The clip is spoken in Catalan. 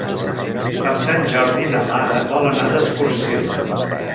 Per Sant Jordi na Lara vol anar d'excursió.